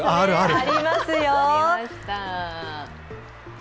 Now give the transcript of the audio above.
ありますよ。